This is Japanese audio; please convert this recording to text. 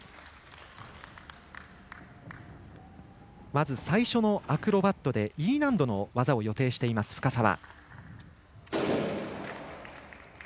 まず最初のアクロバットでＥ難度の技を予定している深沢。